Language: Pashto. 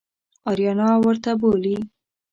آریانا ورته بولي.